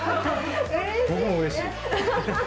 僕もうれしい。